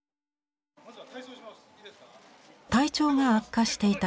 体調が悪化していた９月。